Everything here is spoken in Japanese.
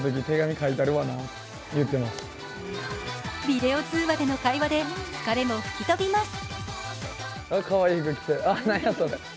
ビデオ通話での会話で疲れも吹き飛びます。